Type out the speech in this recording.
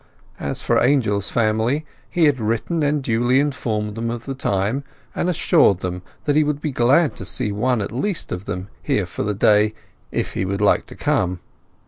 As for Angel's family, he had written and duly informed them of the time, and assured them that he would be glad to see one at least of them there for the day if he would like to come.